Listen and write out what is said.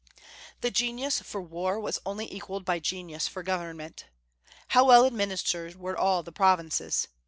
The genius for war was only equalled by genius for government. How well administered were all the provinces!